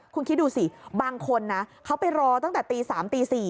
คุณคิดดูสิบางคนนะเขาไปรอตั้งแต่ตี๓ตี๔